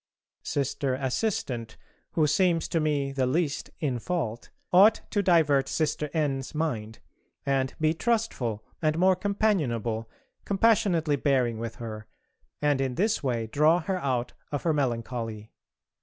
Sister Assistant, who seems to me the least in fault, ought to divert Sister N.'s mind, and be trustful and more companionable, compassionately bearing with her, and in this way draw her out of her melancholy.